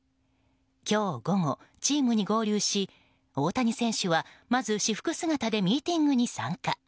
今日午後、チームに合流し大谷選手はまず私服姿でミーティングに参加。